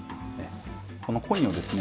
このコインをですね